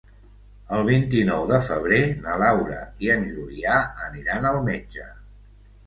El vint-i-nou de febrer na Laura i en Julià aniran al metge.